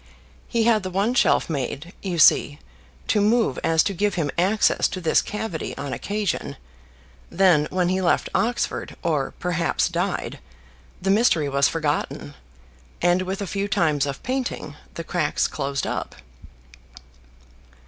He had the one shelf made, you see, to move so as to give him access to this cavity on occasion: then when he left Oxford, or perhaps died, the mystery was forgotten, and with a few times of painting the cracks closed up."